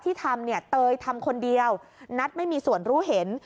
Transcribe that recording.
ที่ทำเนี่ยเตยทำคนเดียวนัทไม่มีส่วนรู้เห็น